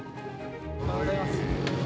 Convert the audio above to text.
おはようございます。